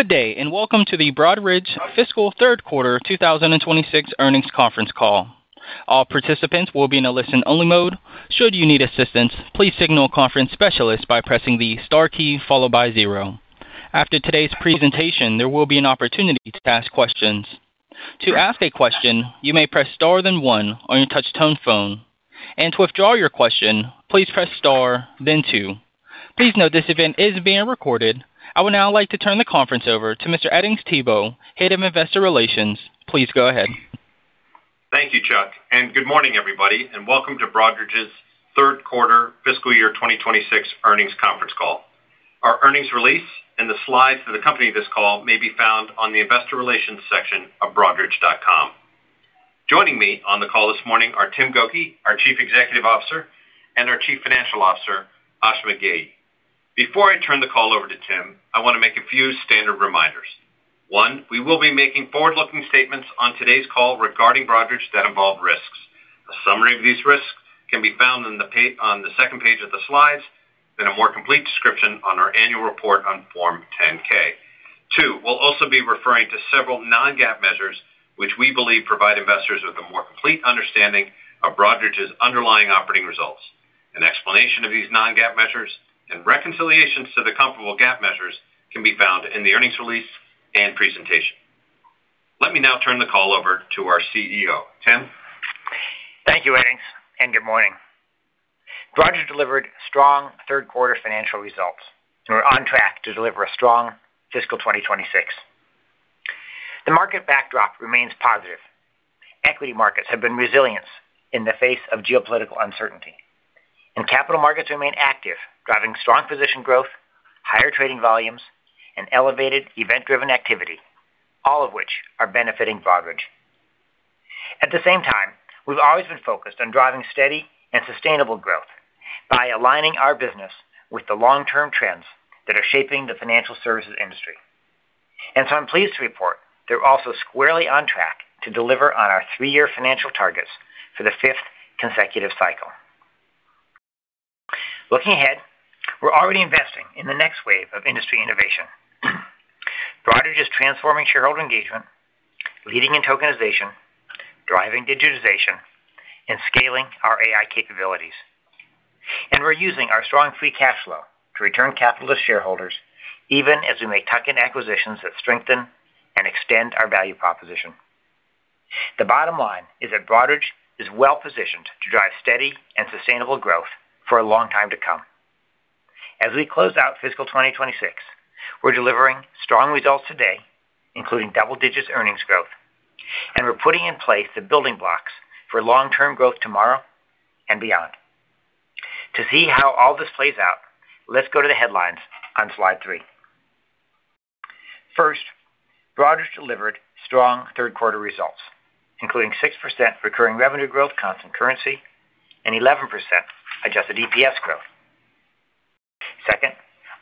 Good day, welcome to the Broadridge Fiscal Third Quarter 2026 earnings conference call. All participants will be in a listen-only mode. Should you need assistance, please signal a conference specialist by pressing the star key followed by zero. After today's presentation, there will be an opportunity to ask questions. To ask a question, you may press star then one on your touch-tone phone. To withdraw your question, please press star then two. Please note this event is being recorded. I would now like to turn the conference over to Mr. Edings Thibault, Head of Investor Relations. Please go ahead. Thank you, Chuck. Good morning, everybody, and welcome to Broadridge's third quarter fiscal year 2026 earnings conference call. Our earnings release and the slides that accompany this call may be found on the investor relations section of broadridge.com. Joining me on the call this morning are Tim Gokey, our Chief Executive Officer, and our Chief Financial Officer, Ashima Ghei. Before I turn the call over to Tim, I want to make a few standard reminders. One, we will be making forward-looking statements on today's call regarding Broadridge that involve risks. A summary of these risks can be found on the second page of the slides, then a more complete description on our annual report on Form 10-K. 2, we'll also be referring to several non-GAAP measures, which we believe provide investors with a more complete understanding of Broadridge's underlying operating results. An explanation of these non-GAAP measures and reconciliations to the comparable GAAP measures can be found in the earnings release and presentation. Let me now turn the call over to our CEO. Tim? Thank you, Edings. Good morning. Broadridge delivered strong 3rd-quarter financial results, and we're on track to deliver a strong fiscal 2026. The market backdrop remains positive. Equity markets have been resilient in the face of geopolitical uncertainty. Capital markets remain active, driving strong position growth, higher trading volumes, and elevated event-driven activity, all of which are benefiting Broadridge. At the same time, we've always been focused on driving steady and sustainable growth by aligning our business with the long-term trends that are shaping the financial services industry. I'm pleased to report that we're also squarely on track to deliver on our 3-year financial targets for the 5th consecutive cycle. Looking ahead, we're already investing in the next wave of industry innovation. Broadridge is transforming shareholder engagement, leading in tokenization, driving digitization, and scaling our AI capabilities. We're using our strong free cash flow to return capital to shareholders, even as we may tuck in acquisitions that strengthen and extend our value proposition. The bottom line is that Broadridge is well-positioned to drive steady and sustainable growth for a long time to come. As we close out fiscal 2026, we're delivering strong results today, including double-digit earnings growth, and we're putting in place the building blocks for long-term growth tomorrow and beyond. To see how all this plays out, let's go to the headlines on slide three. First, Broadridge delivered strong third-quarter results, including 6% recurring revenue growth constant currency and 11% Adjusted EPS growth. Second,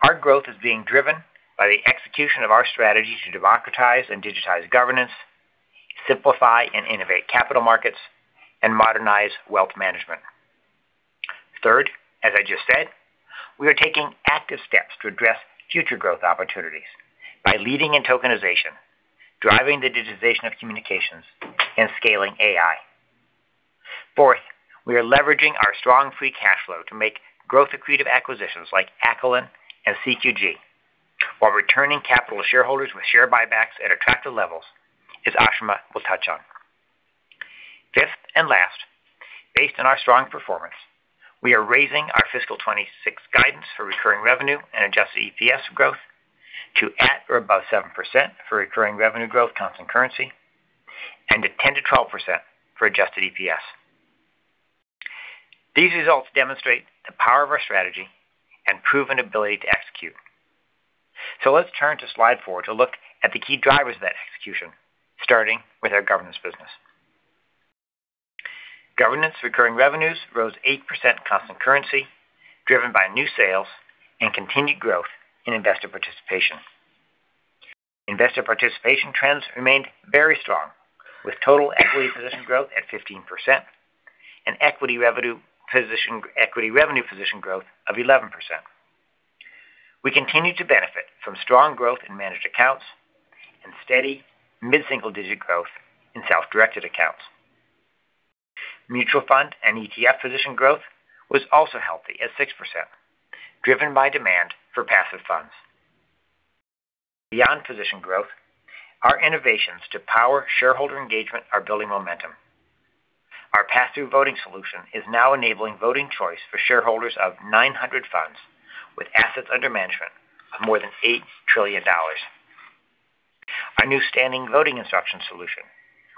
our growth is being driven by the execution of our strategy to democratize and digitize governance, simplify and innovate capital markets, and modernize wealth management. Third, as I just said, we are taking active steps to address future growth opportunities by leading in tokenization, driving the digitization of communications, and scaling AI. Fourth, we are leveraging our strong free cash flow to make growth accretive acquisitions like Acolin and CQG, while returning capital to shareholders with share buybacks at attractive levels, as Ashima will touch on. Fifth and last, based on our strong performance, we are raising our fiscal 2026 guidance for recurring revenue and Adjusted EPS growth to at or above 7% for recurring revenue growth constant currency and at 10%-12% for Adjusted EPS. These results demonstrate the power of our strategy and proven ability to execute. Let's turn to slide four to look at the key drivers of that execution, starting with our governance business. Governance recurring revenues rose 8% constant currency, driven by new sales and continued growth in investor participation. Investor participation trends remained very strong, with total equity position growth at 15% and equity revenue position growth of 11%. We continue to benefit from strong growth in managed accounts and steady mid-single-digit growth in self-directed accounts. Mutual fund and ETF position growth was also healthy at 6%, driven by demand for passive funds. Beyond position growth, our innovations to power shareholder engagement are building momentum. Our Pass-Through Voting solution is now enabling voting choice for shareholders of 900 funds with assets under management of more than $8 trillion. Our new standing voting instruction solution,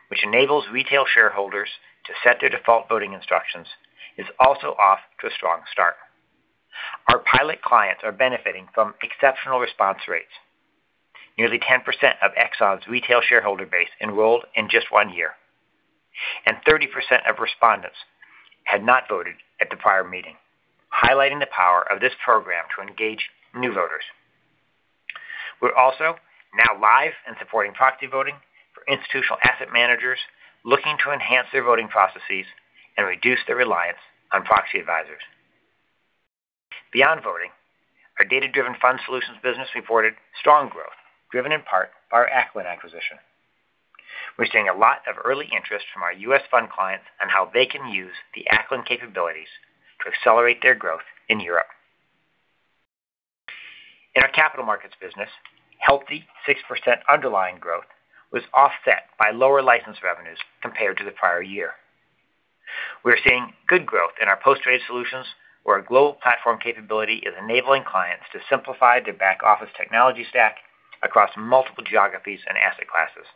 which enables retail shareholders to set their default voting instructions, is also off to a strong start. Our pilot clients are benefiting from exceptional response rates. Nearly 10% of Exxon's retail shareholder base enrolled in just one year, and 30% of respondents had not voted at the prior meeting, highlighting the power of this program to engage new voters. We're also now live and supporting proxy voting for institutional asset managers looking to enhance their voting processes and reduce their reliance on proxy advisors. Beyond voting, our data-driven fund solutions business reported strong growth, driven in part by our Acolin acquisition. We're seeing a lot of early interest from our U.S. fund clients on how they can use the Acolin capabilities to accelerate their growth in Europe. In our capital markets business, healthy 6% underlying growth was offset by lower license revenues compared to the prior year. We are seeing good growth in our post-trade solutions, where our global platform capability is enabling clients to simplify their back-office technology stack across multiple geographies and asset classes.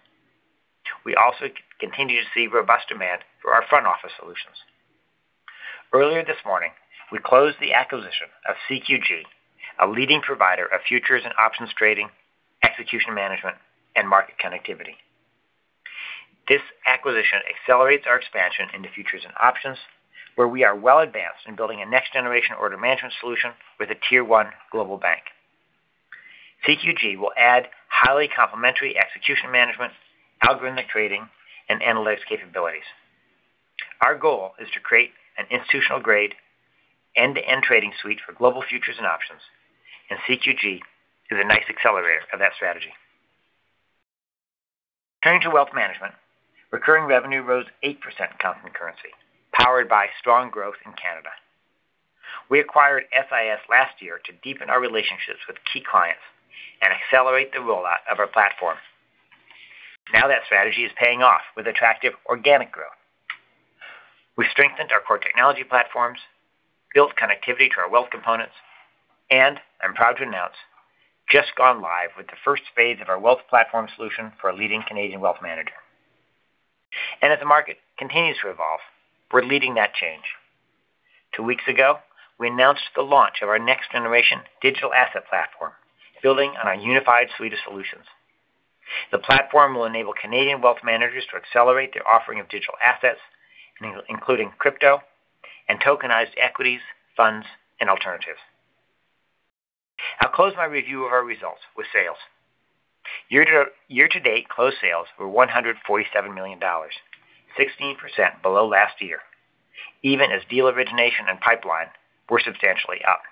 We also continue to see robust demand for our front-office solutions. Earlier this morning, we closed the acquisition of CQG, a leading provider of futures and options trading, execution management, and market connectivity. This acquisition accelerates our expansion into futures and options, where we are well advanced in building a next-generation order management solution with a tier 1 global bank. CQG will add highly complementary execution management, algorithmic trading, and analytics capabilities. Our goal is to create an institutional-grade end-to-end trading suite for global futures and options, and CQG is a nice accelerator of that strategy. Turning to wealth management, recurring revenue rose 8% constant currency, powered by strong growth in Canada. We acquired SIS last year to deepen our relationships with key clients and accelerate the rollout of our platform. Now that strategy is paying off with attractive organic growth. We strengthened our core technology platforms, built connectivity to our wealth components, and I'm proud to announce, just gone live with the first phase of our wealth platform solution for a leading Canadian wealth manager. As the market continues to evolve, we're leading that change. Two weeks ago, we announced the launch of our next-generation digital asset platform, building on our unified suite of solutions. The platform will enable Canadian wealth managers to accelerate their offering of digital assets, including crypto and tokenized equities, funds, and alternatives. I'll close my review of our results with sales. Year-to-date, closed sales were $147 million, 16% below last year, even as deal origination and pipeline were substantially up.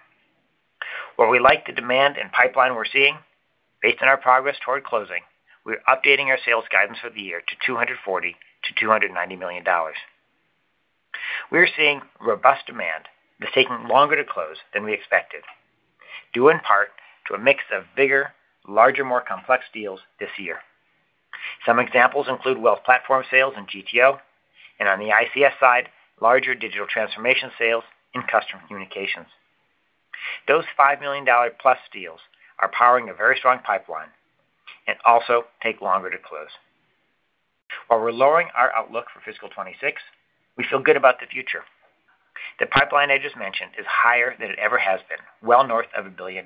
While we like the demand and pipeline we're seeing, based on our progress toward closing, we're updating our sales guidance for the year to $240 million-$290 million. We are seeing robust demand that's taking longer to close than we expected, due in part to a mix of bigger, larger, more complex deals this year. Some examples include Wealth Platform sales in GTO, and on the ICS side, larger digital transformation sales in Customer Communications. Those $5 million-plus deals are powering a very strong pipeline and also take longer to close. While we're lowering our outlook for fiscal 2026, we feel good about the future. The pipeline I just mentioned is higher than it ever has been, well north of $1 billion.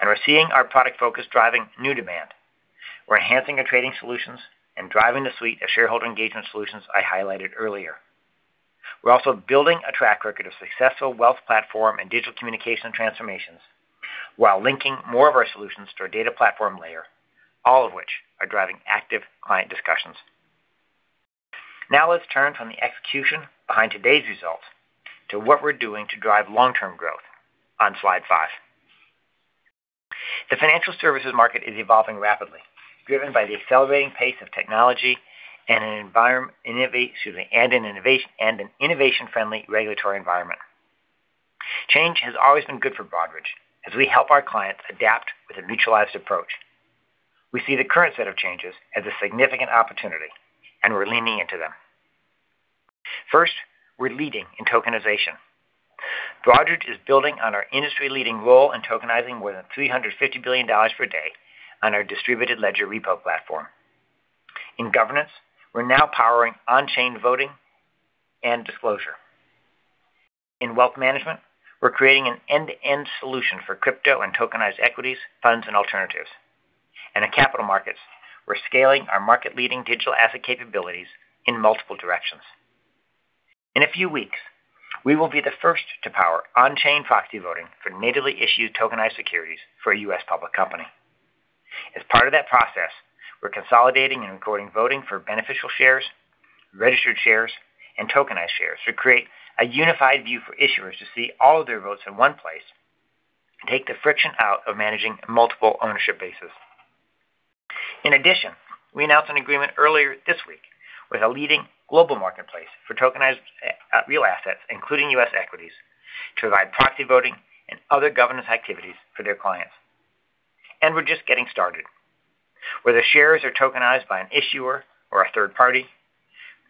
We're seeing our product focus driving new demand. We're enhancing our trading solutions and driving the suite of shareholder engagement solutions I highlighted earlier. We're also building a track record of successful wealth platform and digital communication transformations while linking more of our solutions to our data platform layer, all of which are driving active client discussions. Now let's turn from the execution behind today's results to what we're doing to drive long-term growth on slide five. The financial services market is evolving rapidly, driven by the accelerating pace of technology and an innovation-friendly regulatory environment. Change has always been good for Broadridge as we help our clients adapt with a neutralized approach. We see the current set of changes as a significant opportunity, and we're leaning into them. First, we're leading in tokenization. Broadridge is building on our industry-leading role in tokenizing more than $350 billion per day on our Distributed Ledger Repo platform. In governance, we're now powering on-chain voting and disclosure. In wealth management, we're creating an end-to-end solution for crypto and tokenized equities, funds, and alternatives. In capital markets, we're scaling our market-leading digital asset capabilities in multiple directions. In a few weeks, we will be the first to power on-chain proxy voting for natively issued tokenized securities for a U.S. public company. As part of that process, we're consolidating and recording voting for beneficial shares, registered shares, and tokenized shares to create a unified view for issuers to see all of their votes in one place and take the friction out of managing multiple ownership bases. In addition, we announced an agreement earlier this week with a leading global marketplace for tokenized real assets, including U.S. equities, to provide proxy voting and other governance activities for their clients. We're just getting started. Whether shares are tokenized by an issuer or a third party,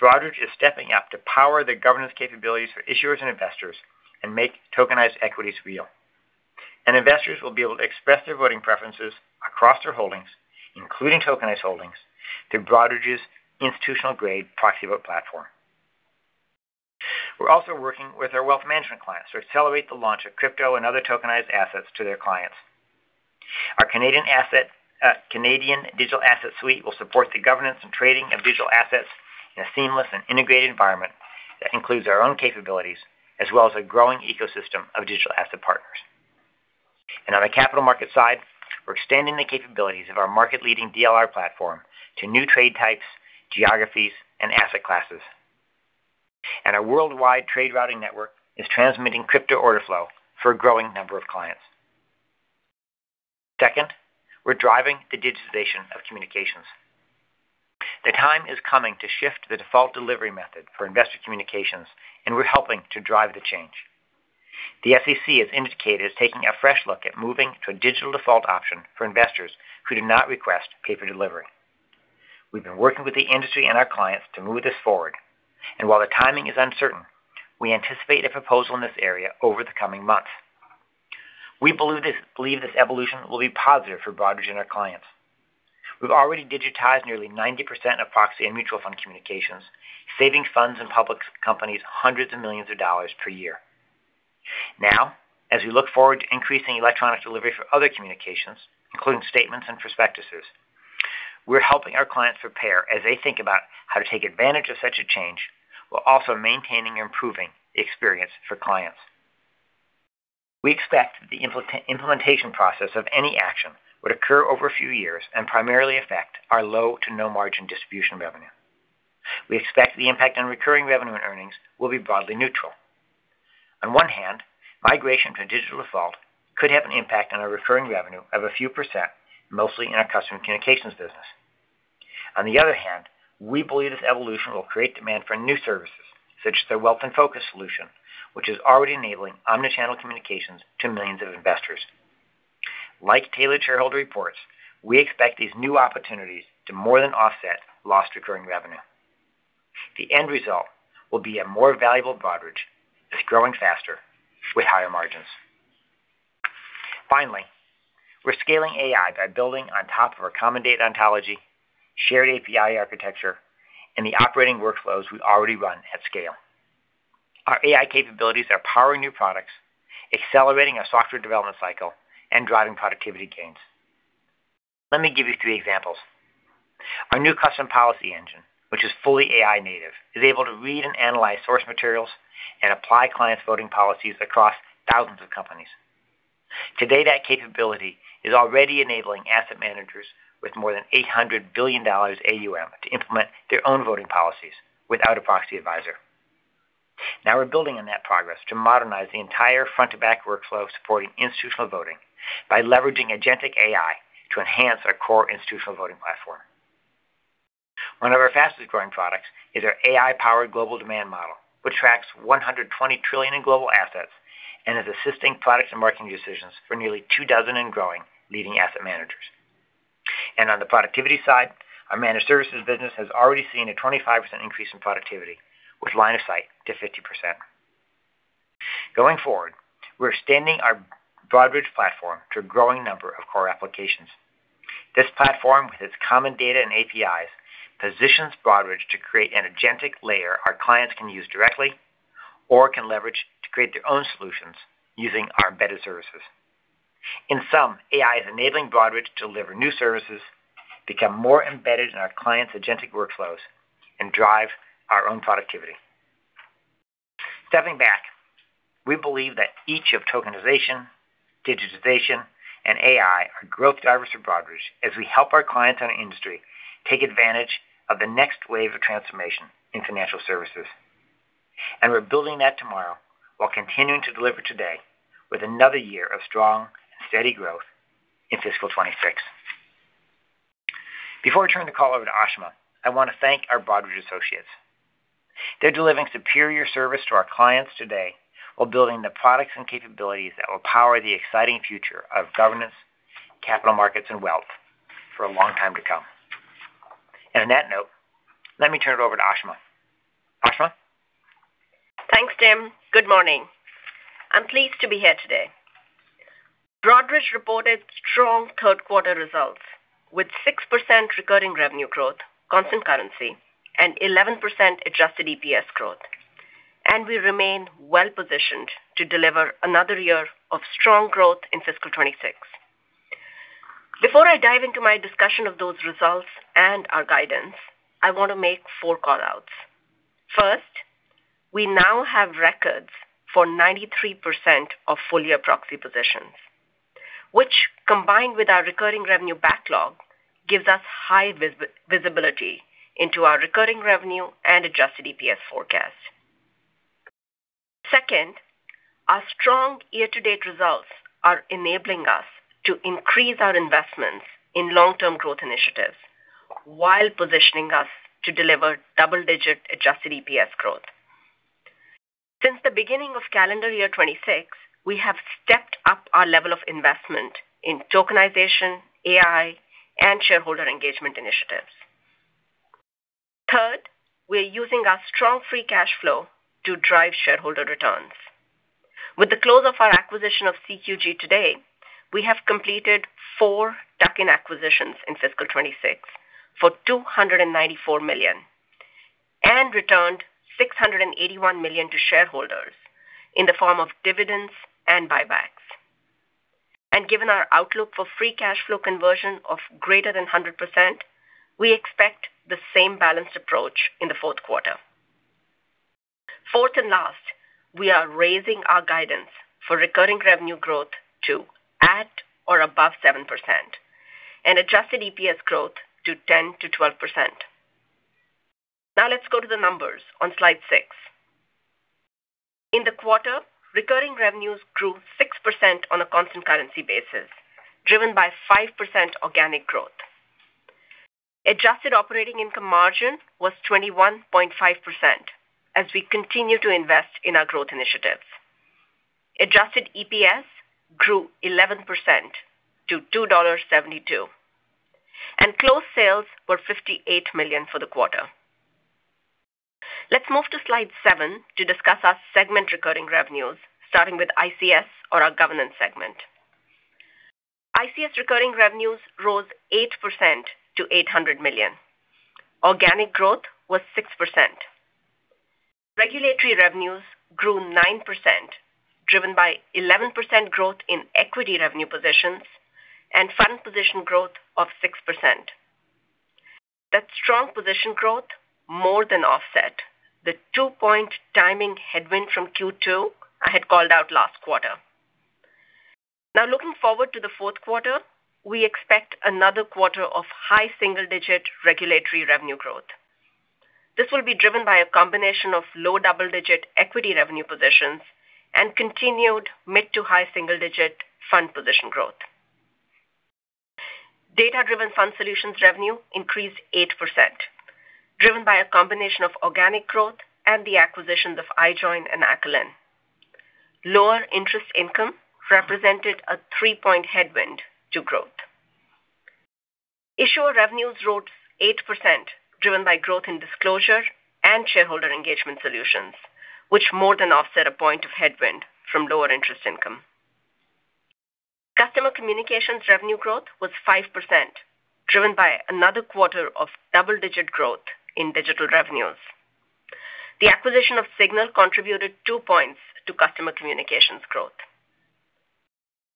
Broadridge is stepping up to power the governance capabilities for issuers and investors and make tokenized equities real. Investors will be able to express their voting preferences across their holdings, including tokenized holdings, through Broadridge's institutional-grade proxy vote platform. We're also working with our wealth management clients to accelerate the launch of crypto and other tokenized assets to their clients. Our Canadian digital asset suite will support the governance and trading of digital assets in a seamless and integrated environment that includes our own capabilities as well as a growing ecosystem of digital asset partners. On the capital market side, we're extending the capabilities of our market-leading DLR platform to new trade types, geographies, and asset classes. Our worldwide trade routing network is transmitting crypto order flow for a growing number of clients. Second, we're driving the digitization of communications. The time is coming to shift the default delivery method for investor communications, and we're helping to drive the change. The SEC has indicated it's taking a fresh look at moving to a digital default option for investors who do not request paper delivery. We've been working with the industry and our clients to move this forward. While the timing is uncertain, we anticipate a proposal in this area over the coming months. We believe this evolution will be positive for Broadridge and our clients. We've already digitized nearly 90% of proxy and mutual fund communications, saving funds and public companies hundreds of millions dollars per year. As we look forward to increasing electronic delivery for other communications, including statements and prospectuses, we're helping our clients prepare as they think about how to take advantage of such a change while also maintaining and improving the experience for clients. We expect the implementation process of any action would occur over a few years and primarily affect our low to no margin distribution revenue. We expect the impact on recurring revenue and earnings will be broadly neutral. Migration to digital default could have an impact on our recurring revenue of a few %, mostly in our Customer Communications business. We believe this evolution will create demand for new services, such as their Wealth InFocus solution, which is already enabling omni-channel communications to millions of investors. Like Tailored Shareholder Reports, we expect these new opportunities to more than offset lost recurring revenue. The end result will be a more valuable Broadridge that's growing faster with higher margins. We're scaling AI by building on top of our common data ontology, shared API architecture, and the operating workflows we already run at scale. Our AI capabilities are powering new products, accelerating our software development cycle, and driving productivity gains. Let me give you three examples. Our new Custom Policy Engine, which is fully AI native, is able to read and analyze source materials and apply clients' voting policies across thousands of companies. Today, that capability is already enabling asset managers with more than $800 billion AUM to implement their own voting policies without a proxy advisor. We're building on that progress to modernize the entire front-to-back workflow supporting institutional voting by leveraging Agentic AI to enhance our core institutional voting platform. One of our fastest-growing products is our AI-powered Global Demand Model, which tracks $120 trillion in global assets and is assisting products and marketing decisions for nearly 2 dozen and growing leading asset managers. On the productivity side, our managed services business has already seen a 25% increase in productivity, with line of sight to 50%. Going forward, we're extending our Broadridge platform to a growing number of core applications. This platform, with its common data and APIs, positions Broadridge to create an agentic layer our clients can use directly or can leverage to create their own solutions using our embedded services. In sum, AI is enabling Broadridge to deliver new services, become more embedded in our clients' agentic workflows, and drive our own productivity. Stepping back, we believe that each of tokenization, digitization, and AI are growth drivers for Broadridge as we help our clients and our industry take advantage of the next wave of transformation in financial services. We're building that tomorrow while continuing to deliver today with another year of strong and steady growth in fiscal 2026. Before I turn the call over to Ashima Ghei, I want to thank our Broadridge associates. They're delivering superior service to our clients today while building the products and capabilities that will power the exciting future of governance, capital markets, and wealth for a long time to come. On that note, let me turn it over to Ashima Ghei. Ashima Ghei? Thanks, Tim. Good morning. I'm pleased to be here today. Broadridge reported strong third quarter results with 6% recurring revenue growth, constant currency, and 11% Adjusted EPS growth. We remain well-positioned to deliver another year of strong growth in fiscal 2026. Before I dive into my discussion of those results and our guidance, I want to make four call-outs. First, we now have records for 93% of full-year proxy positions, which, combined with our recurring revenue backlog, gives us high visibility into our recurring revenue and Adjusted EPS forecast. Second, our strong year-to-date results are enabling us to increase our investments in long-term growth initiatives while positioning us to deliver double-digit Adjusted EPS growth. Since the beginning of calendar year 2026, we have stepped up our level of investment in tokenization, AI, and shareholder engagement initiatives. Third, we're using our strong free cash flow to drive shareholder returns. With the close of our acquisition of CQG today, we have completed 4 tuck-in acquisitions in fiscal 2026 for $294 million and returned $681 million to shareholders in the form of dividends and buybacks. Given our outlook for free cash flow conversion of greater than 100%, we expect the same balanced approach in the fourth quarter. Fourth and last, we are raising our guidance for recurring revenue growth to at or above 7% and Adjusted EPS growth to 10%-12%. Let's go to the numbers on slide 6. In the quarter, recurring revenues grew 6% on a constant currency basis, driven by 5% organic growth. Adjusted Operating Income margin was 21.5% as we continue to invest in our growth initiatives. Adjusted EPS grew 11% to $2.72. Closed sales were $58 million for the quarter. Let's move to slide seven to discuss our segment recurring revenues, starting with ICS or our governance segment. ICS recurring revenues rose 8% to $800 million. Organic growth was 6%. Regulatory revenues grew 9%, driven by 11% growth in equity revenue positions and fund position growth of 6%. That strong position growth more than offset the 2-point timing headwind from Q2 I had called out last quarter. Looking forward to the fourth quarter, we expect another quarter of high single-digit regulatory revenue growth. This will be driven by a combination of low double-digit equity revenue positions and continued mid-to-high single-digit fund position growth. Data-driven fund solutions revenue increased 8%, driven by a combination of organic growth and the acquisitions of iJoin and Acolin. Lower interest income represented a 3-point headwind to growth. Issuer revenues rose 8% driven by growth in disclosure and shareholder engagement solutions, which more than offset a 1 point of headwind from lower interest income. Customer Communications revenue growth was 5%, driven by another quarter of double-digit growth in digital revenues. The acquisition of Signal contributed 2 points to Customer Communications growth.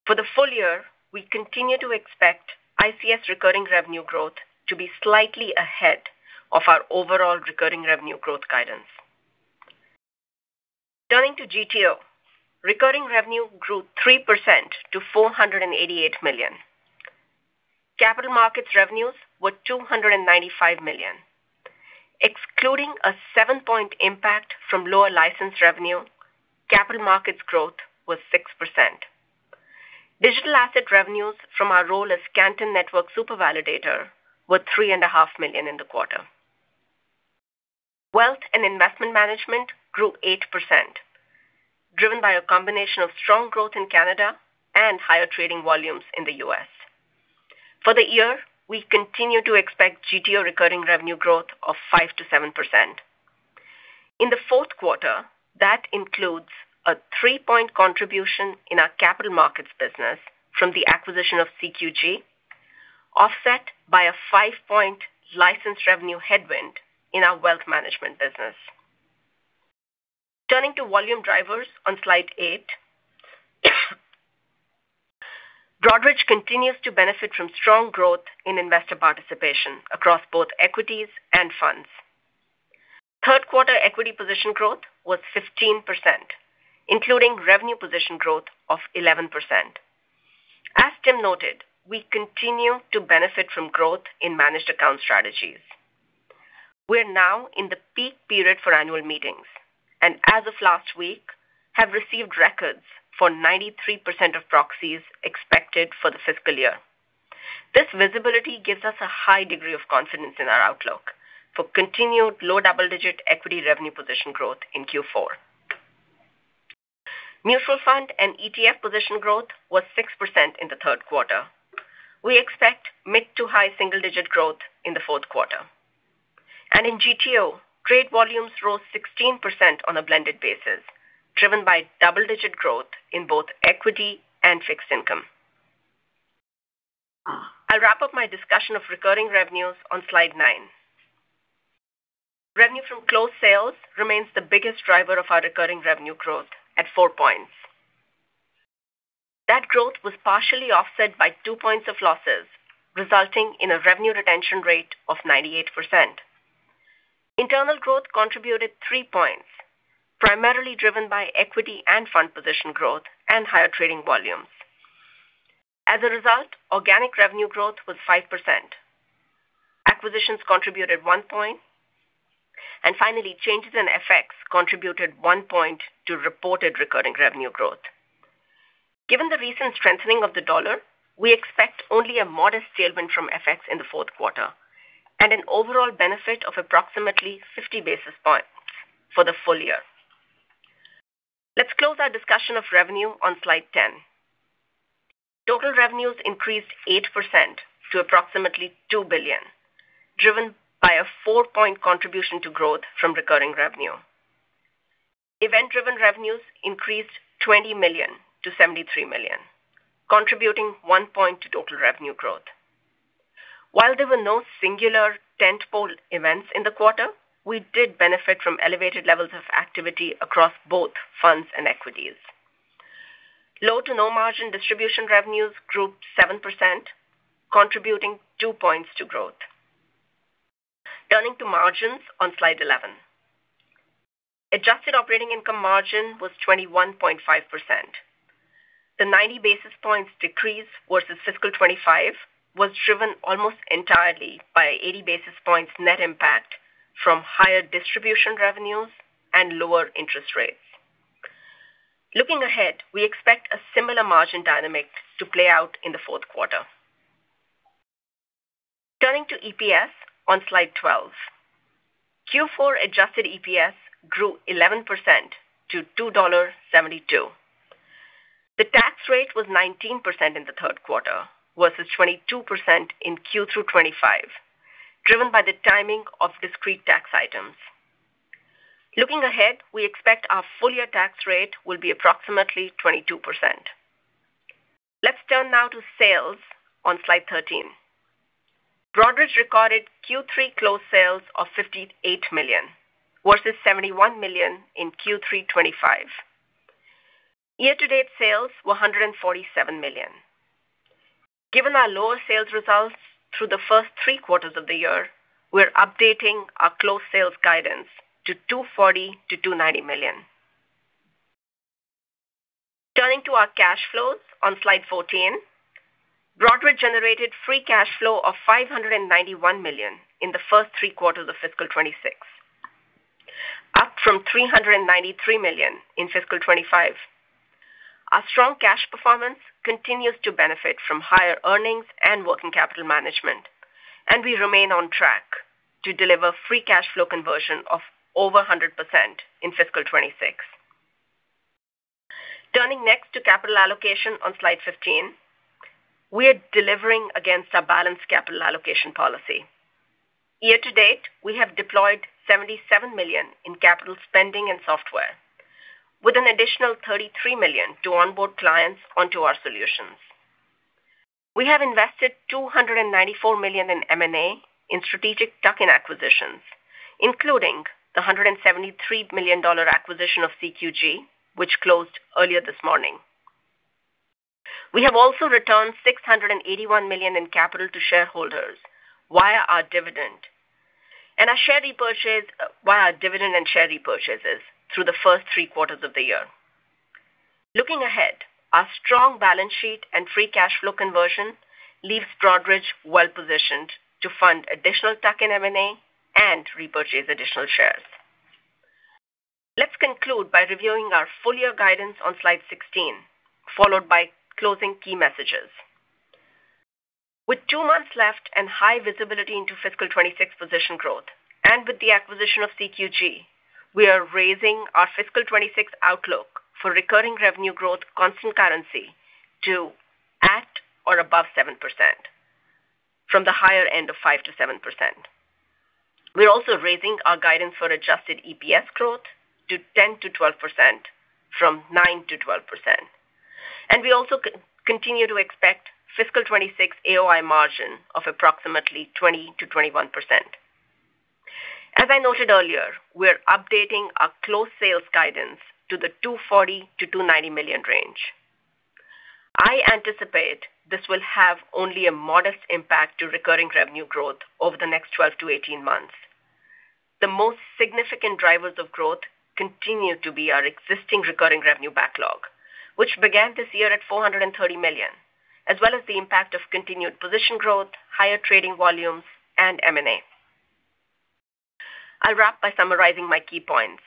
For the full year, we continue to expect ICS recurring revenue growth to be slightly ahead of our overall recurring revenue growth guidance. Turning to GTO, recurring revenue grew 3% to $488 million. Capital markets revenues were $295 million. Excluding a 7-point impact from lower license revenue, capital markets growth was 6%. Digital asset revenues from our role as Canton Network Super Validator were $3.5 million in the quarter. Wealth and investment management grew 8%, driven by a combination of strong growth in Canada and higher trading volumes in the U.S. For the year, we continue to expect GTO recurring revenue growth of 5%-7%. In the fourth quarter, that includes a 3-point contribution in our capital markets business from the acquisition of CQG, offset by a 5-point license revenue headwind in our wealth management business. Turning to volume drivers on slide 8. Broadridge continues to benefit from strong growth in investor participation across both equities and funds. Third quarter equity position growth was 15%, including revenue position growth of 11%. As Tim noted, we continue to benefit from growth in managed account strategies. We're now in the peak period for annual meetings, and as of last week, have received records for 93% of proxies expected for the fiscal year. This visibility gives us a high degree of confidence in our outlook for continued low double-digit equity revenue position growth in Q4. Mutual fund and ETF position growth was 6% in the third quarter. We expect mid-to-high single-digit growth in the fourth quarter. In GTO, trade volumes rose 16% on a blended basis, driven by double-digit growth in both equity and fixed income. I'll wrap up my discussion of recurring revenues on slide 9. Revenue from closed sales remains the biggest driver of our recurring revenue growth at 4 points. That growth was partially offset by 2 points of losses, resulting in a revenue retention rate of 98%. Internal growth contributed 3 points, primarily driven by equity and fund position growth and higher trading volumes. As a result, organic revenue growth was 5%. Acquisitions contributed 1 point. Changes in FX contributed 1 point to reported recurring revenue growth. Given the recent strengthening of the dollar, we expect only a modest tailwind from FX in the fourth quarter and an overall benefit of approximately 50 basis points for the full year. Let's close our discussion of revenue on slide 10. Total revenues increased 8% to approximately $2 billion, driven by a 4-point contribution to growth from recurring revenue. Event-driven revenues increased $20 million to $73 million, contributing 1 point to total revenue growth. While there were no singular tentpole events in the quarter, we did benefit from elevated levels of activity across both funds and equities. Low to no margin distribution revenues grew 7%, contributing 2 points to growth. Turning to margins on slide 11. Adjusted operating income margin was 21.5%. The 90 basis points decrease versus fiscal 2025 was driven almost entirely by 80 basis points net impact from higher distribution revenues and lower interest rates. Looking ahead, we expect a similar margin dynamic to play out in the 4th quarter. Turning to EPS on slide 12. Q4 adjusted EPS grew 11% to $2.72. The tax rate was 19% in the 3rd quarter versus 22% in Q3 2025, driven by the timing of discrete tax items. Looking ahead, we expect our full-year tax rate will be approximately 22%. Let's turn now to sales on slide 13. Broadridge recorded Q3 closed sales of $58 million, versus $71 million in Q3 2025. Year-to-date sales were $147 million. Given our lower sales results through the first three quarters of the year, we're updating our closed sales guidance to $240 million-$290 million. Turning to our cash flows on slide 14. Broadridge generated free cash flow of $591 million in the first three quarters of fiscal 2026, up from $393 million in fiscal 2025. Our strong cash performance continues to benefit from higher earnings and working capital management, and we remain on track to deliver free cash flow conversion of over 100% in fiscal 2026. Turning next to capital allocation on slide 15. We are delivering against our balanced capital allocation policy. Year to date, we have deployed $77 million in capital spending and software, with an additional $33 million to onboard clients onto our solutions. We have invested $294 million in M&A in strategic tuck-in acquisitions, including the $173 million acquisition of CQG, which closed earlier this morning. We have also returned $681 million in capital to shareholders via our dividend and share repurchases through the first 3 quarters of the year. Looking ahead, our strong balance sheet and free cash flow conversion leaves Broadridge well-positioned to fund additional tuck-in M&A and repurchase additional shares. Let's conclude by reviewing our full-year guidance on slide 16, followed by closing key messages. With 2 months left and high visibility into fiscal 2026 position growth, and with the acquisition of CQG, we are raising our fiscal 2026 outlook for recurring revenue growth constant currency to at or above 7% from the higher end of 5%-7%. We're also raising our guidance for Adjusted EPS growth to 10%-12% from 9%-12%. We also continue to expect fiscal 2026 AOI margin of approximately 20%-21%. As I noted earlier, we're updating our closed sales guidance to the $240 million-$290 million range. I anticipate this will have only a modest impact to recurring revenue growth over the next 12 to 18 months. The most significant drivers of growth continue to be our existing recurring revenue backlog, which began this year at $430 million, as well as the impact of continued position growth, higher trading volumes, and M&A. I'll wrap by summarizing my key points.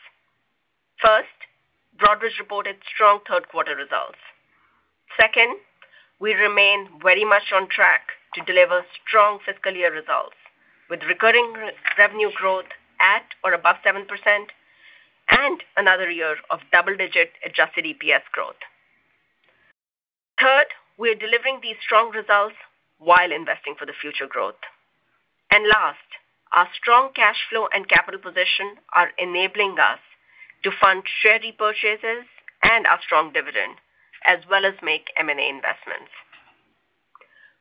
First, Broadridge reported strong third quarter results. Second, we remain very much on track to deliver strong fiscal year results, with recurring revenue growth at or above 7% and another year of double-digit Adjusted EPS growth. Third, we're delivering these strong results while investing for the future growth. Last, our strong cash flow and capital position are enabling us to fund share repurchases and our strong dividend, as well as make M&A investments.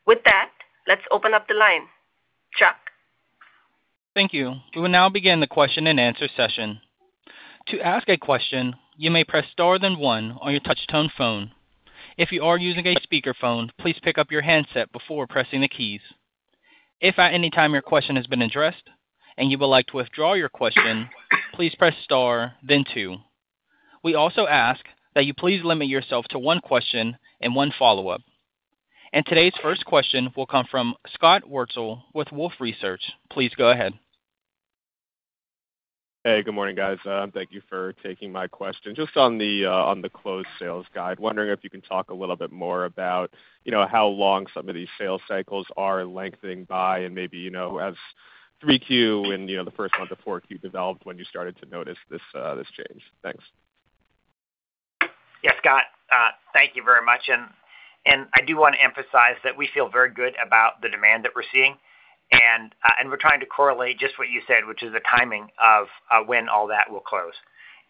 With that, let's open up the line. Chuck? Thank you. We will now begin the question-and-answer session. To ask a question, you may press star then one on your touch-tone phone. If you are using a speakerphone, please pick up your handset before pressing the keys. If at any time your question has been addressed and you would like to withdraw your question, please press star then two. We also ask that you please limit yourself to one question and one follow-up. Today's first question will come from Scott Wurtzel with Wolfe Research. Please go ahead. Hey, good morning, guys. Thank you for taking my question. Just on the on the closed sales guide, wondering if you can talk a little bit more about, you know, how long some of these sales cycles are lengthening by, and maybe, you know, as 3Q and, you know, the 1st month of 4Q developed when you started to notice this change. Thanks. Yeah, Scott, thank you very much. I do want to emphasize that we feel very good about the demand that we're seeing. We're trying to correlate just what you said, which is the timing of when all that will close.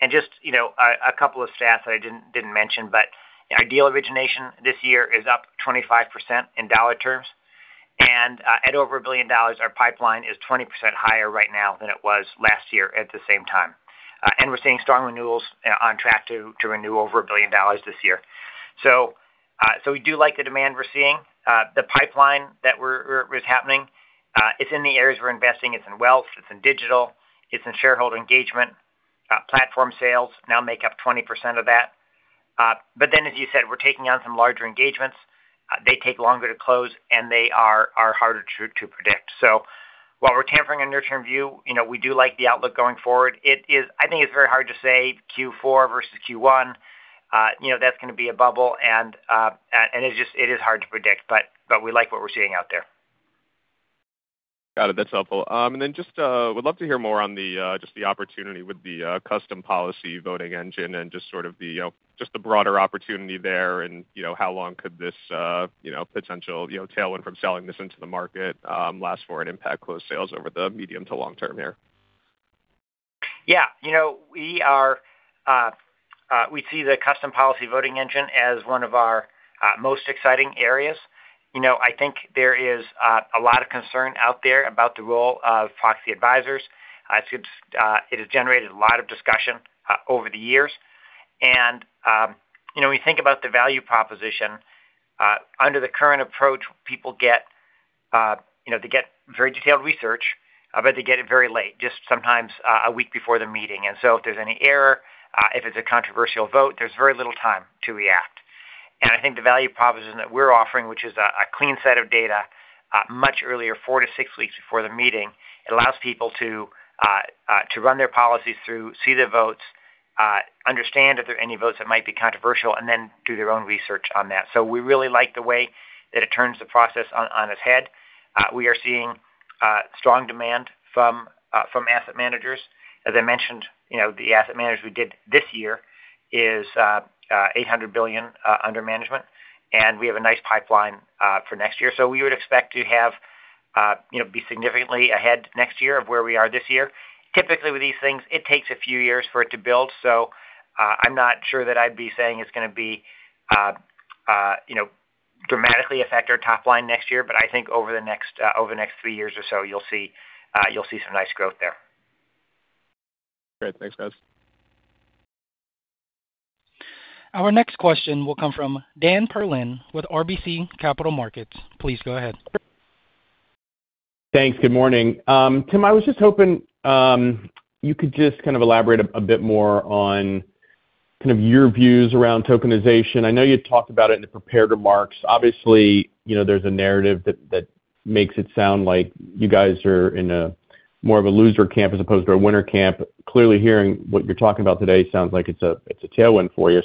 Just, you know, a couple of stats that I didn't mention, but our deal origination this year is up 25% in dollar terms. At over $1 billion, our pipeline is 20% higher right now than it was last year at the same time. We're seeing strong renewals on track to renew over $1 billion this year. We do like the demand we're seeing. The pipeline that is happening, it's in the areas we're investing. It's in wealth, it's in digital, it's in shareholder engagement. Platform sales now make up 20% of that. As you said, we're taking on some larger engagements. They take longer to close, they are harder to predict. While we're tempering a near-term view, you know, we do like the outlook going forward. I think it's very hard to say Q4 versus Q1. You know, that's gonna be a bubble, and it is hard to predict, but we like what we're seeing out there. Got it. That's helpful. Just would love to hear more on the just the opportunity with the Custom Policy voting engine and just sort of the, you know, just the broader opportunity there and, you know, how long could this, you know, potential, you know, tailwind from selling this into the market last for an impact close sales over the medium to long term here. Yeah. You know, we see the Custom Policy voting engine as one of our most exciting areas. You know, I think there is a lot of concern out there about the role of proxy advisors. It has generated a lot of discussion over the years. You know, we think about the value proposition under the current approach, people get, you know, they get very detailed research, but they get it very late, just sometimes a week before the meeting. If there's any error, if it's a controversial vote, there's very little time to react. I think the value proposition that we're offering, which is a clean set of data, much earlier, four to six weeks before the meeting, it allows people to run their policies through, see the votes, understand if there are any votes that might be controversial, and then do their own research on that. We really like the way that it turns the process on its head. We are seeing strong demand from asset managers. As I mentioned, you know, the asset managers we did this year is $800 billion under management, and we have a nice pipeline for next year. We would expect to have, you know, be significantly ahead next year of where we are this year. Typically, with these things, it takes a few years for it to build. I'm not sure that I'd be saying it's gonna be, you know, dramatically affect our top line next year. I think over the next, over the next 3 years or so, you'll see some nice growth there. Great. Thanks, guys. Our next question will come from Dan Perlin with RBC Capital Markets. Please go ahead. Thanks. Good morning. Tim, I was just hoping, you could just kind of elaborate a bit more on kind of your views around tokenization. I know you talked about it in the prepared remarks. Obviously, you know, there's a narrative that makes it sound like you guys are in a more of a loser camp as opposed to a winner camp. Clearly, hearing what you're talking about today sounds like it's a tailwind for you.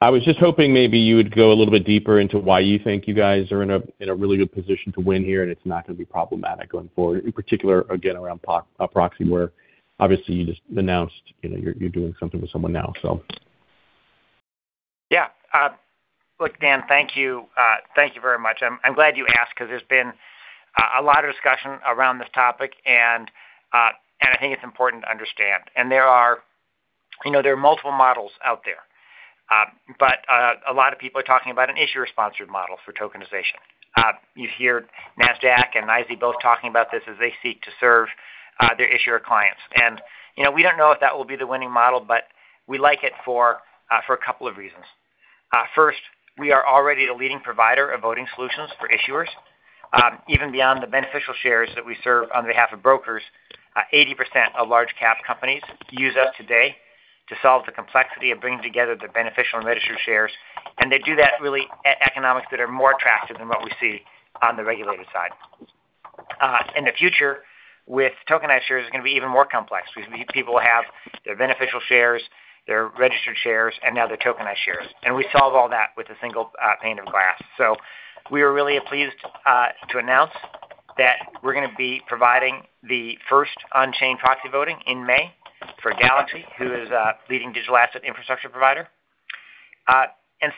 I was just hoping maybe you would go a little bit deeper into why you think you guys are in a really good position to win here, and it's not gonna be problematic going forward. In particular, again, around proxy, where obviously you just announced, you know, you're doing something with someone now. Yeah. Look, Dan, thank you. Thank you very much. I'm glad you asked 'cause there's been a lot of discussion around this topic and I think it's important to understand. There are, you know, there are multiple models out there, but a lot of people are talking about an issuer-sponsored model for tokenization. You hear Nasdaq and NYSE both talking about this as they seek to serve their issuer clients. You know, we don't know if that will be the winning model, but we like it for a couple of reasons. First, we are already the leading provider of voting solutions for issuers. Even beyond the beneficial shares that we serve on behalf of brokers, 80% of large cap companies use us today to solve the complexity of bringing together the beneficial and registered shares, and they do that really at economics that are more attractive than what we see on the regulated side. In the future with tokenized shares, it's gonna be even more complex because these people have their beneficial shares, their registered shares, and now their tokenized shares, and we solve all that with a single pane of glass. We are really pleased to announce that we're gonna be providing the first unchained proxy voting in May for Galaxy, who is a leading digital asset infrastructure provider.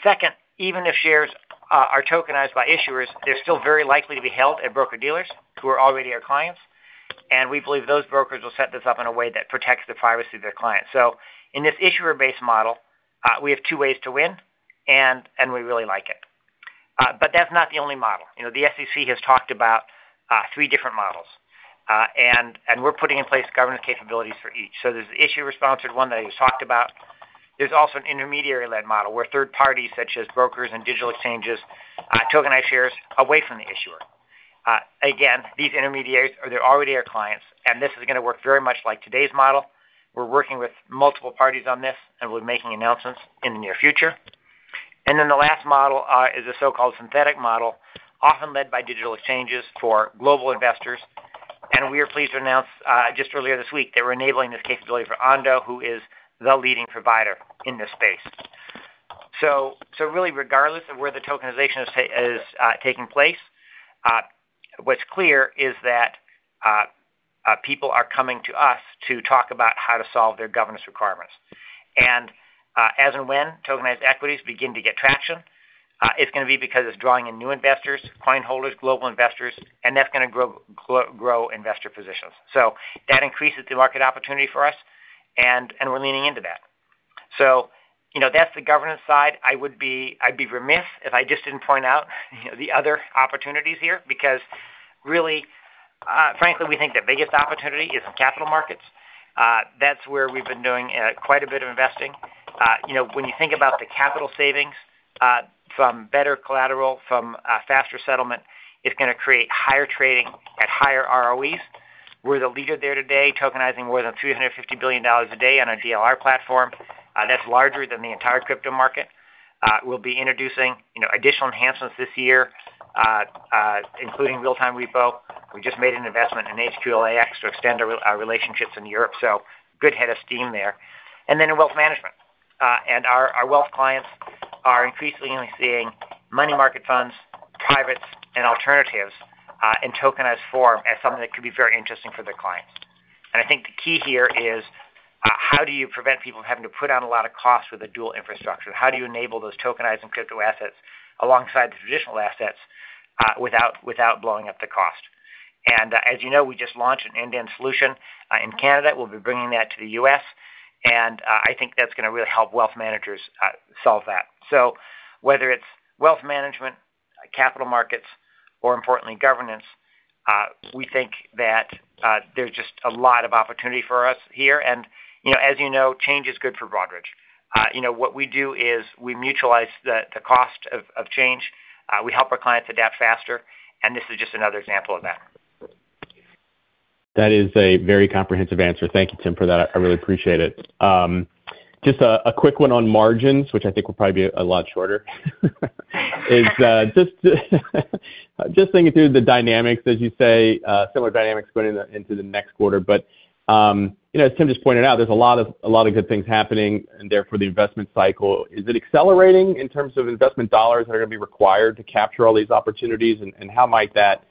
Second, even if shares are tokenized by issuers, they're still very likely to be held at broker-dealers who are already our clients, and we believe those brokers will set this up in a way that protects the privacy of their clients. In this issuer-based model, we have two ways to win, and we really like it. That's not the only model. You know, the SEC has talked about three different models, and we're putting in place governance capabilities for each. There's the issuer-sponsored one that I just talked about. There's also an intermediary-led model, where 3rd parties such as brokers and digital exchanges tokenize shares away from the issuer. Again, these intermediaries they're already our clients, and this is gonna work very much like today's model. We're working with multiple parties on this. We're making announcements in the near future. The last model is a so-called synthetic model, often led by digital exchanges for global investors. We are pleased to announce just earlier this week that we're enabling this capability for Ondo, who is the leading provider in this space. Really regardless of where the tokenization is taking place, what's clear is that people are coming to us to talk about how to solve their governance requirements. As and when tokenized equities begin to get traction, it's gonna be because it's drawing in new investors, coin holders, global investors, and that's gonna grow investor positions. That increases the market opportunity for us, and we're leaning into that. You know, that's the governance side. I'd be remiss if I just didn't point out, you know, the other opportunities here, because really, frankly, we think the biggest opportunity is in capital markets. That's where we've been doing quite a bit of investing. You know, when you think about the capital savings from better collateral, from faster settlement, it's gonna create higher trading at higher ROEs. We're the leader there today, tokenizing more than $250 billion a day on our DLR platform. That's larger than the entire crypto market. We'll be introducing, you know, additional enhancements this year, including real-time repo. We just made an investment in HQLAx to extend our relationships in Europe. Good head of steam there. In wealth management. Our wealth clients are increasingly seeing money market funds, privates, and alternatives in tokenized form as something that could be very interesting for their clients. I think the key here is how do you prevent people from having to put out a lot of costs with a dual infrastructure? How do you enable those tokenized and crypto assets alongside the traditional assets without blowing up the cost? As you know, we just launched an end-to-end solution in Canada. We'll be bringing that to the U.S., I think that's gonna really help wealth managers solve that. Whether it's wealth management, capital markets, or importantly, governance, we think that there's just a lot of opportunity for us here. You know, as you know, change is good for Broadridge. You know, what we do is we mutualize the cost of change. We help our clients adapt faster, and this is just another example of that. That is a very comprehensive answer. Thank you, Tim, for that. I really appreciate it. Just a quick one on margins, which I think will probably be a lot shorter, is just thinking through the dynamics, as you say, similar dynamics going into the next quarter. You know, as Tim just pointed out, there's a lot of good things happening, and therefore the investment cycle. Is it accelerating in terms of investment dollars that are gonna be required to capture all these opportunities? And how might that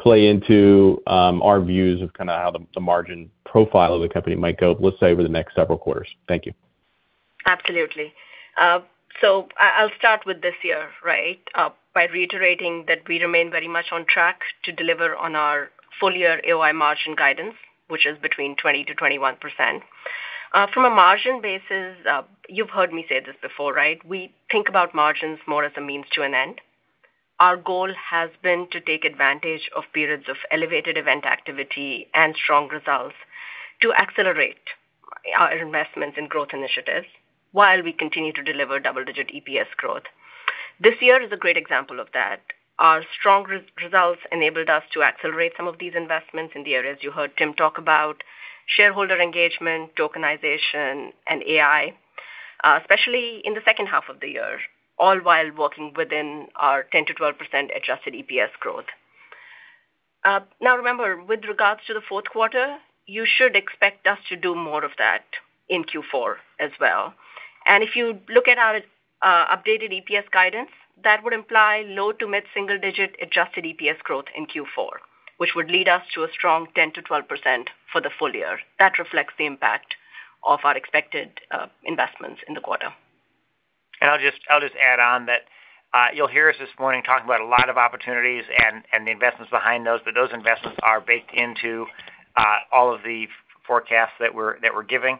play into our views of kind of how the margin profile of the company might go, let's say over the next several quarters? Thank you. Absolutely. I'll start with this year, right? By reiterating that we remain very much on track to deliver on our full-year AOI margin guidance, which is between 20%-21%. From a margin basis, you've heard me say this before, right? We think about margins more as a means to an end. Our goal has been to take advantage of periods of elevated event activity and strong results to accelerate our investments in growth initiatives while we continue to deliver double-digit EPS growth. This year is a great example of that. Our strong results enabled us to accelerate some of these investments in the areas you heard Tim talk about, shareholder engagement, tokenization, and AI, especially in the second half of the year, all while working within our 10%-12% Adjusted EPS growth. Now remember, with regards to the 4th quarter, you should expect us to do more of that in Q4 as well. If you look at our updated Adjusted EPS guidance, that would imply low to mid-single digit Adjusted EPS growth in Q4, which would lead us to a strong 10% to 12% for the full year. That reflects the impact of our expected investments in the quarter. I'll just add on that, you'll hear us this morning talking about a lot of opportunities and the investments behind those, but those investments are baked into all of the forecasts that we're giving.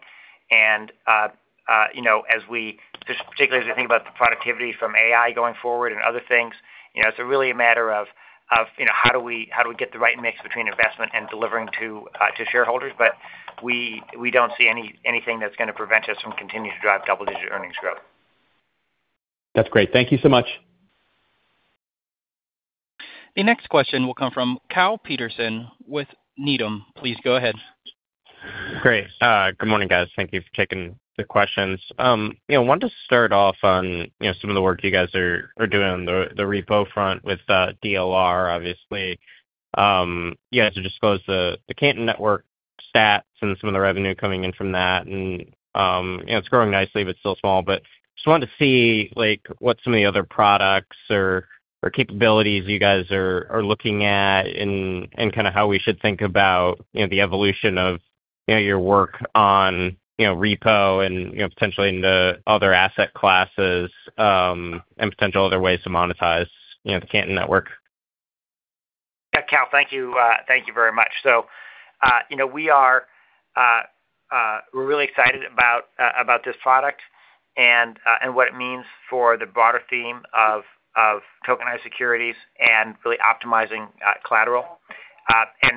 You know, as we particularly as we think about the productivity from AI going forward and other things, you know, it's really a matter of, you know, how do we get the right mix between investment and delivering to shareholders. We don't see anything that's gonna prevent us from continuing to drive double-digit earnings growth. That's great. Thank you so much. The next question will come from Kyle Peterson with Needham. Please go ahead. Great. Good morning, guys. Thank you for taking the questions. You know, wanted to start off on, you know, some of the work you guys are doing on the repo front with DLR, obviously. You guys have disclosed the Canton Network stats and some of the revenue coming in from that. You know, it's growing nicely, but it's still small. Just wanted to see, like, what some of the other products or capabilities you guys are looking at and kind of how we should think about, you know, the evolution of, you know, your work on, you know, repo and, you know, potentially into other asset classes and potential other ways to monetize, you know, the Canton Network. Yeah, Kyle, thank you. Thank you very much. You know, we are, we're really excited about this product and what it means for the broader theme of tokenized securities and really optimizing collateral.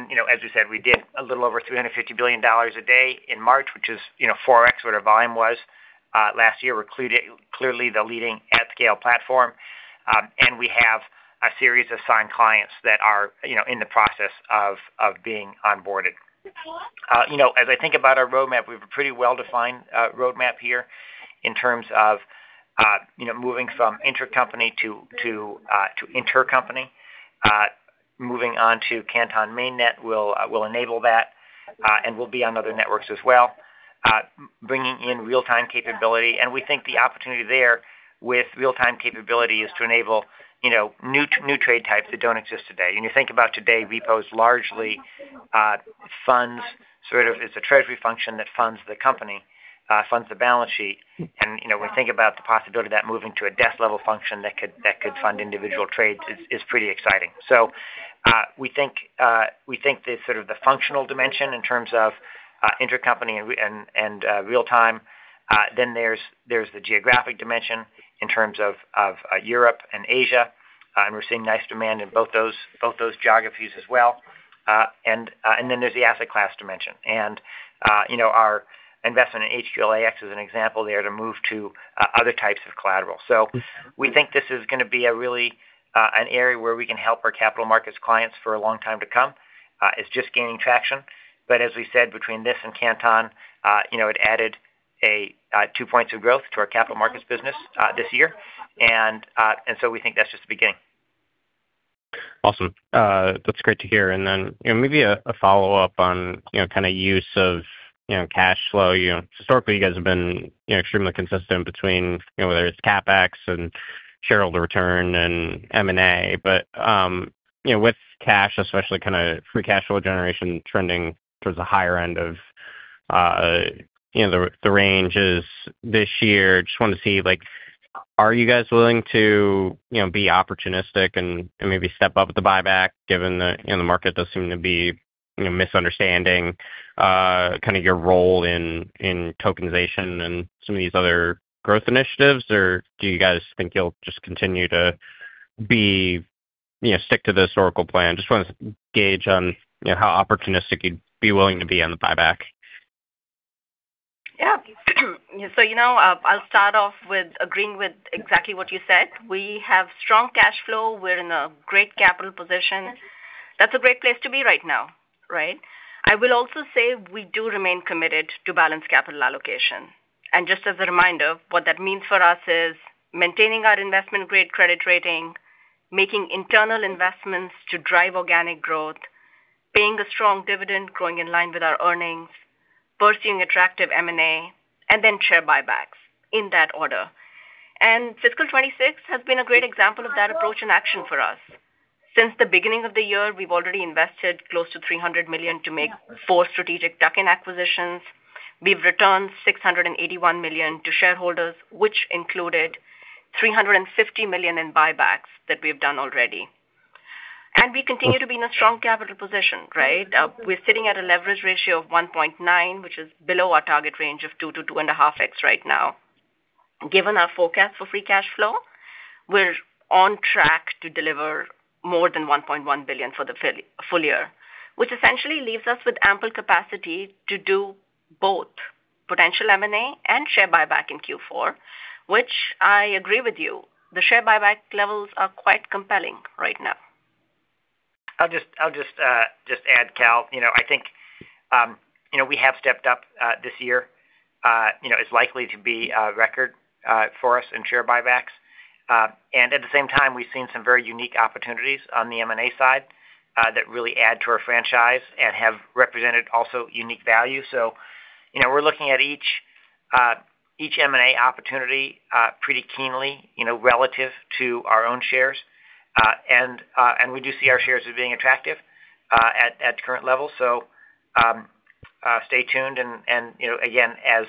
You know, as we said, we did a little over $350 billion a day in March, which is, you know, 4x what our volume was last year. We're clearly the leading at scale platform. We have a series of signed clients that are, you know, in the process of being onboarded. You know, as I think about our roadmap, we have a pretty well-defined roadmap here in terms of, you know, moving from intercompany to intercompany. Moving on to Canton Mainnet will enable that and we'll be on other networks as well, bringing in real-time capability. We think the opportunity there with real-time capability is to enable, you know, new trade types that don't exist today. When you think about today, repo's largely funds, sort of it's a treasury function that funds the company, funds the balance sheet. You know, when we think about the possibility of that moving to a desk level function that could fund individual trades is pretty exciting. We think the sort of the functional dimension in terms of intercompany and real time. Then there's the geographic dimension in terms of Europe and Asia, and we're seeing nice demand in both those geographies as well. And then there's the asset class dimension. You know, our investment in HQLAX is an example there to move to other types of collateral. We think this is gonna be a really an area where we can help our capital markets clients for a long time to come. It's just gaining traction. As we said, between this and Canton, you know, it added a 2 points of growth to our capital markets business this year. We think that's just the beginning. Awesome. That's great to hear. You know, maybe a follow-up on, you know, kind of use of, you know, cash flow. You know, historically, you guys have been, you know, extremely consistent between, you know, whether it's CapEx and shareholder return and M&A. You know, with cash, especially kind of free cash flow generation trending towards the higher end of, you know, the ranges this year, just wanted to see, like, are you guys willing to, you know, be opportunistic and maybe step up with the buyback given the, you know, the market does seem to be, you know, misunderstanding, kind of your role in tokenization and some of these other growth initiatives? Do you guys think you'll just, you know, stick to the historical plan? Just wanna gauge on, you know, how opportunistic you'd be willing to be on the buyback. Yeah. You know, I'll start off with agreeing with exactly what you said. We have strong cash flow. We're in a great capital position. That's a great place to be right now, right? I will also say we do remain committed to balanced capital allocation. Just as a reminder, what that means for us is maintaining our investment-grade credit rating, making internal investments to drive organic growth, paying a strong dividend growing in line with our earnings, pursuing attractive M&A, then share buybacks in that order. Fiscal 2026 has been a great example of that approach in action for us. Since the beginning of the year, we've already invested close to $300 million to make 4 strategic tuck-in acquisitions. We've returned $681 million to shareholders, which included $350 million in buybacks that we've done already. We continue to be in a strong capital position, right? We're sitting at a leverage ratio of 1.9, which is below our target range of 2 to 2.5x right now. Given our forecast for free cash flow, we're on track to deliver more than $1.1 billion for the full year, which essentially leaves us with ample capacity to do both potential M&A and share buyback in Q4, which I agree with you, the share buyback levels are quite compelling right now. I'll just add, Kyle Peterson, you know, I think, you know, we have stepped up this year. You know, it's likely to be a record for us in share buybacks. At the same time, we've seen some very unique opportunities on the M&A side that really add to our franchise and have represented also unique value. You know, we're looking at each M&A opportunity pretty keenly, you know, relative to our own shares. We do see our shares as being attractive at current levels. Stay tuned, and, you know, again, as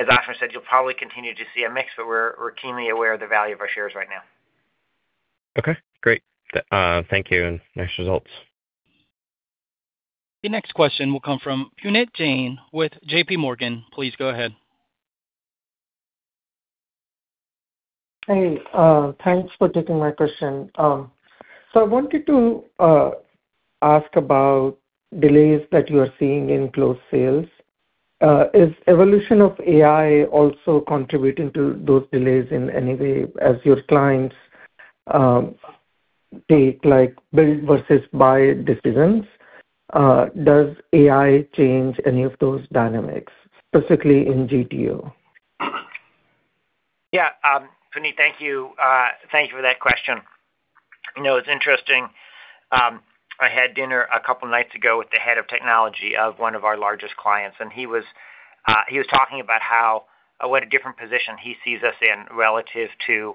Ashima Ghei said, you'll probably continue to see a mix, but we're keenly aware of the value of our shares right now. Okay, great. Thank you, and nice results. Your next question will come from Puneet Jain with JPMorgan. Please go ahead. Hey, thanks for taking my question. I wanted to ask about delays that you are seeing in close sales. Is evolution of AI also contributing to those delays in any way as your clients take, like, build versus buy decisions? Does AI change any of those dynamics, specifically in GTO? Yeah. Puneet, thank you. Thank you for that question. You know, it's interesting. I had dinner two nights ago with the head of technology of one of our largest clients, and he was talking about how what a different position he sees us in relative to,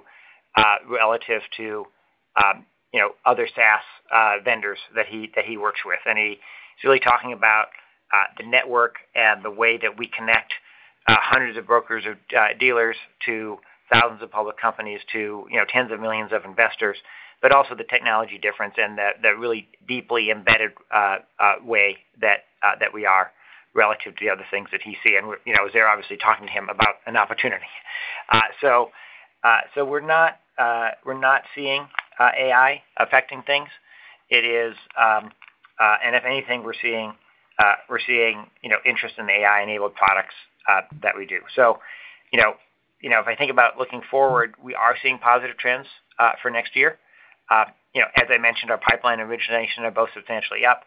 you know, other SaaS vendors that he works with. He's really talking about the network and the way that we connect hundreds of brokers or dealers to thousands of public companies to, you know, tens of millions of investors, but also the technology difference and the really deeply embedded way that we are relative to the other things that he sees. You know, I was there obviously talking to him about an opportunity. So we're not seeing AI affecting things. It is. If anything, we're seeing, you know, interest in the AI-enabled products that we do. You know, if I think about looking forward, we are seeing positive trends for next year. You know, as I mentioned, our pipeline and origination are both substantially up.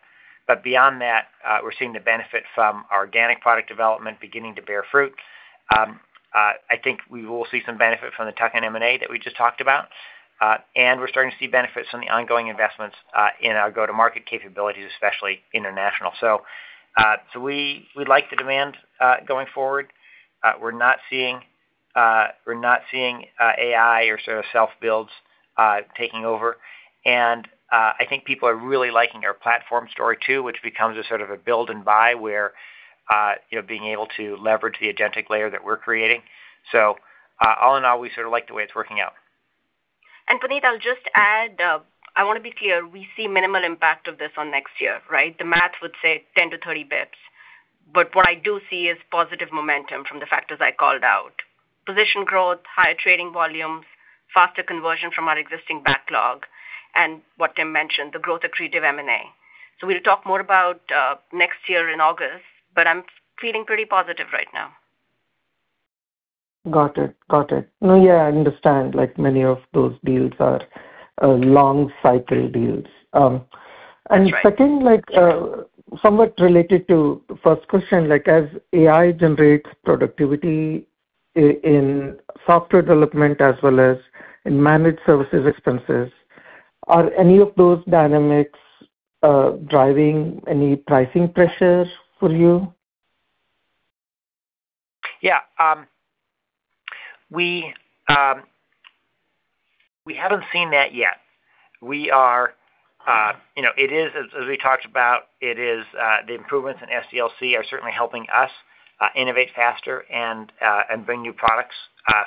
Beyond that, we're seeing the benefit from our organic product development beginning to bear fruit. I think we will see some benefit from the tuck-in M&A that we just talked about. We're starting to see benefits from the ongoing investments in our go-to-market capabilities, especially international. We like the demand going forward. We're not seeing AI or sort of self-builds taking over. I think people are really liking our platform story too, which becomes a sort of a build and buy where, you know, being able to leverage the agentic layer that we're creating. All in all, we sort of like the way it's working out. Puneet, I'll just add, I wanna be clear, we see minimal impact of this on next year, right? The math would say 10 to 30 basis points. What I do see is positive momentum from the factors I called out. Position growth, higher trading volumes, faster conversion from our existing backlog, and what Tim mentioned, the growth accretive M&A. We'll talk more about next year in August, but I'm feeling pretty positive right now. Got it. Got it. No, yeah, I understand, like many of those deals are long cycle deals. Second, like, somewhat related to first question, like as AI generates productivity in software development as well as in managed services expenses, are any of those dynamics driving any pricing pressures for you? Yeah. We haven't seen that yet. We are, it is as we talked about, it is, the improvements in SDLC are certainly helping us innovate faster and bring new products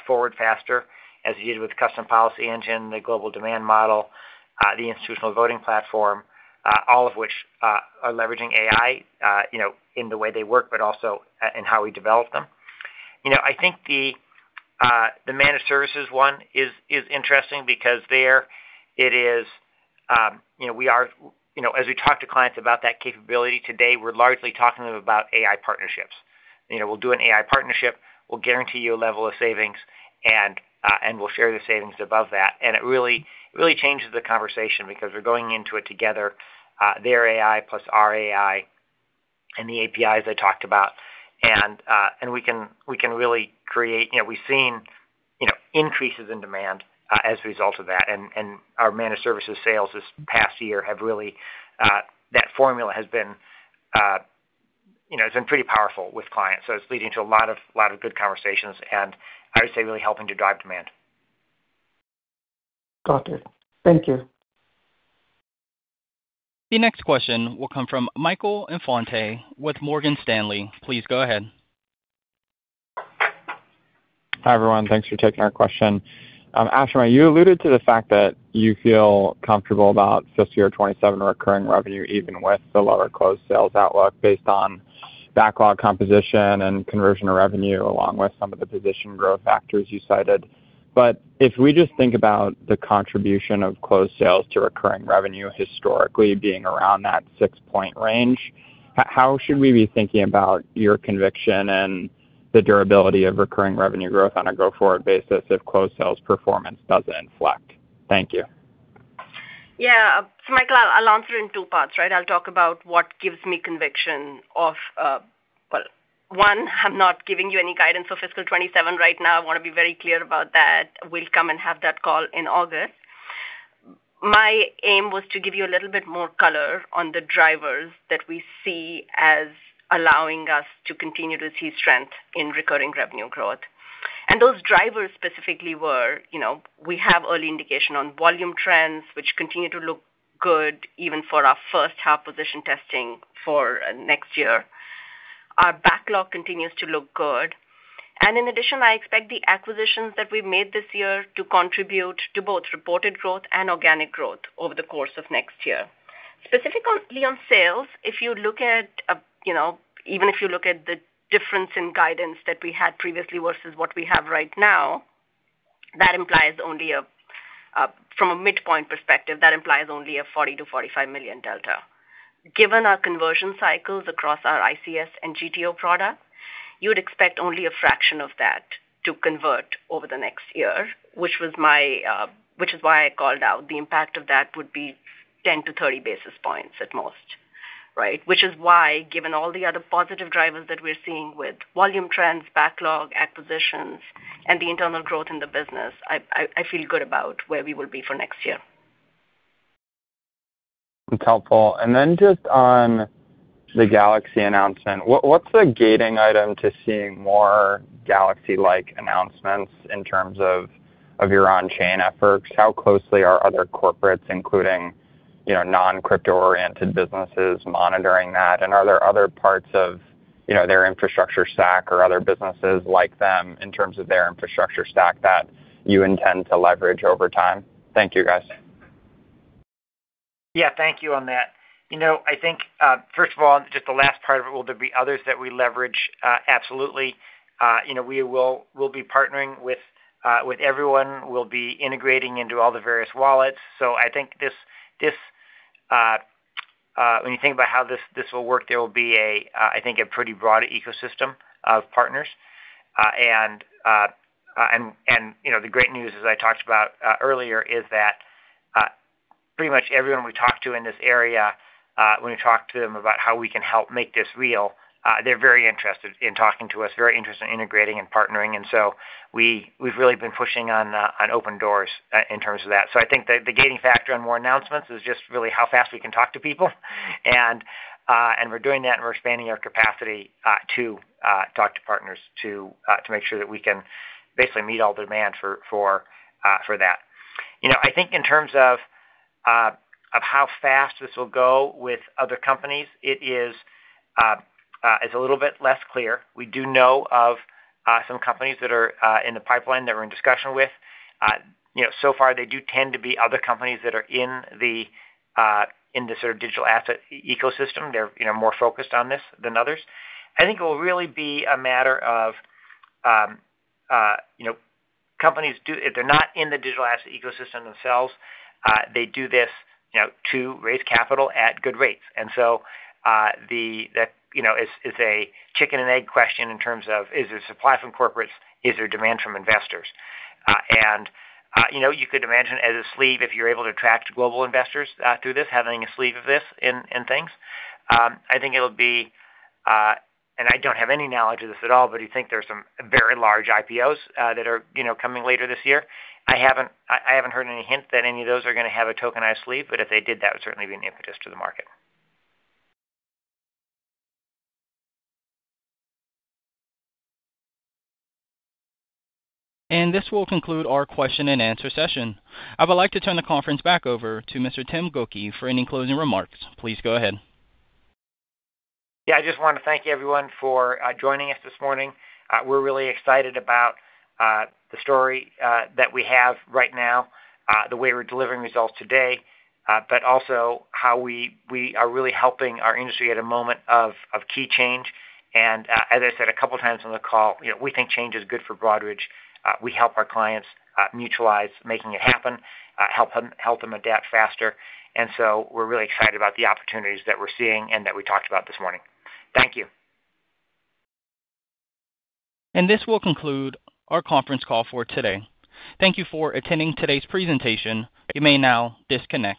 forward faster, as you did with the Custom Policy Engine, the Global Demand Model, the institutional voting platform, all of which are leveraging AI in the way they work, but also in how we develop them. I think the managed services one is interesting because there it is, we are, as we talk to clients about that capability today, we're largely talking about AI partnerships. We'll do an AI partnership, we'll guarantee you a level of savings, and we'll share the savings above that. It really, really changes the conversation because we're going into it together, their AI plus our AI, and the APIs I talked about. We can really create, you know, we've seen, you know, increases in demand as a result of that. Our managed services sales this past year have really, that formula has been, you know, it's been pretty powerful with clients, so it's leading to a lot of good conversations, and I would say really helping to drive demand. Got it. Thank you. The next question will come from Michael Infante with Morgan Stanley. Please go ahead. Hi, everyone. Thanks for taking our question. Ashima Ghei, you alluded to the fact that you feel comfortable about fiscal year 2027 recurring revenue, even with the lower closed sales outlook based on backlog composition and conversion of revenue, along with some of the position growth factors you cited. If we just think about the contribution of closed sales to recurring revenue historically being around that 6-point range, how should we be thinking about your conviction and the durability of recurring revenue growth on a go-forward basis if closed sales performance doesn't inflect? Thank you. Michael, I'll answer in two parts, right? I'll talk about what gives me conviction of. Well, one, I'm not giving you any guidance for fiscal 27 right now. I wanna be very clear about that. We'll come and have that call in August. My aim was to give you a little bit more color on the drivers that we see as allowing us to continue to see strength in recurring revenue growth. Those drivers specifically were, you know, we have early indication on volume trends, which continue to look good even for our first half position testing for next year. Our backlog continues to look good. In addition, I expect the acquisitions that we've made this year to contribute to both reported growth and organic growth over the course of next year. Specifically on sales, if you look at, you know, even if you look at the difference in guidance that we had previously versus what we have right now, that implies only from a midpoint perspective, that implies only a $40 million-$45 million delta. Given our conversion cycles across our ICS and GTO product, you would expect only a fraction of that to convert over the next year, which was my, which is why I called out the impact of that would be 10 to 30 basis points at most, right? Which is why, given all the other positive drivers that we're seeing with volume trends, backlog, acquisitions, and the internal growth in the business, I feel good about where we will be for next year. That's helpful. What's the gating item to seeing more Galaxy-like announcements in terms of your on-chain efforts? How closely are other corporates, including, you know, non-crypto oriented businesses monitoring that? Are there other parts of, you know, their infrastructure stack or other businesses like them in terms of their infrastructure stack that you intend to leverage over time? Thank you, guys. Yeah, thank you on that. You know, I think, first of all, just the last part of it, will there be others that we leverage? Absolutely. You know, we will, we'll be partnering with everyone. We'll be integrating into all the various wallets. I think this, when you think about how this will work, there will be, I think a pretty broad ecosystem of partners. You know, the great news, as I talked about earlier, is that pretty much everyone we talk to in this area, when we talk to them about how we can help make this real, they're very interested in talking to us, very interested in integrating and partnering. We, we've really been pushing on open doors in terms of that. I think the gating factor on more announcements is just really how fast we can talk to people. We're doing that, and we're expanding our capacity to talk to partners to make sure that we can basically meet all demand for that. You know, I think in terms of how fast this will go with other companies, it is a little bit less clear. We do know of some companies that are in the pipeline that we're in discussion with. You know, so far they do tend to be other companies that are in the sort of digital asset ecosystem. They're, you know, more focused on this than others. I think it will really be a matter of, you know, companies if they're not in the digital asset ecosystem themselves, they do this, you know, to raise capital at good rates. That, you know, it's a chicken and egg question in terms of is there supply from corporates, is there demand from investors? You know, you could imagine as a sleeve, if you're able to attract global investors, through this, having a sleeve of this in things, I think it'll be. I don't have any knowledge of this at all, but you think there's some very large IPO that are, you know, coming later this year. I haven't heard any hint that any of those are gonna have a tokenized sleeve, but if they did, that would certainly be an impetus to the market. This will conclude our question and answer session. I would like to turn the conference back over to Mr. Tim Gokey for any closing remarks. Please go ahead. I just wanna thank everyone for joining us this morning. We're really excited about the story that we have right now, the way we're delivering results today, but also how we are really helping our industry at a moment of key change. As I said a couple times on the call, you know, we think change is good for Broadridge. We help our clients mutualize making it happen, help them adapt faster. We're really excited about the opportunities that we're seeing and that we talked about this morning. Thank you. This will conclude our conference call for today. Thank you for attending today's presentation. You may now disconnect.